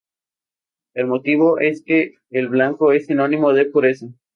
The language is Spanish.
El motivo es que el blanco es sinónimo de pureza.